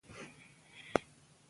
پسرلی د افغانستان د جغرافیې بېلګه ده.